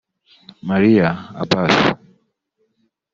Maria Abbasi